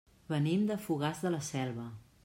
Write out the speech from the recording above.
Venim de Fogars de la Selva.